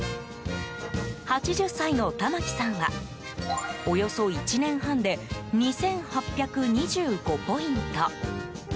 ８０歳の玉置さんはおよそ１年半で２８２５ポイント。